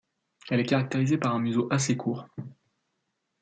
Elle est caractérisée par un museau assez court.